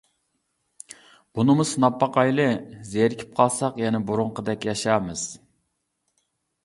بۇنىمۇ سىناپ باقايلى، زېرىكىپ قالساق يەنە بۇرۇنقىدەك ياشارمىز.